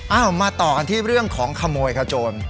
เอามาต่อกันที่เรื่องของขโมยขโจร